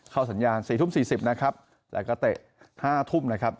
สัญญาณ๔ทุ่ม๔๐นะครับแล้วก็เตะ๕ทุ่มนะครับ